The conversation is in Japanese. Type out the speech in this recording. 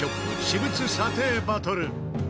私物査定バトル。